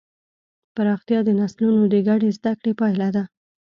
پراختیا د نسلونو د ګډې زدهکړې پایله ده.